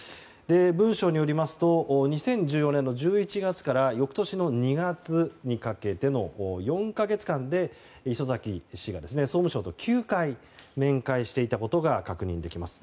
文書によりますと２０１４年の１１月から翌年の２月にかけての４か月間で礒崎氏が総務省と９回面会していたことが確認できます。